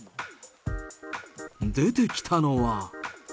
出てきたのは。